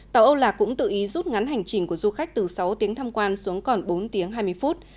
tàu âu lạc cũng tự ý rút ngắn hành trình của du khách từ sáu tiếng tham quan xuống còn bốn tiếng hai mươi phút